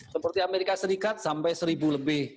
seperti amerika serikat sampai seribu lebih